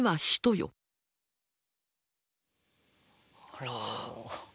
あら。